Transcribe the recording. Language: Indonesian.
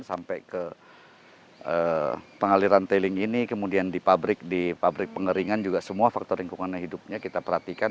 sampai ke pengaliran tailing ini kemudian di pabrik di pabrik pengeringan juga semua faktor lingkungan hidupnya kita perhatikan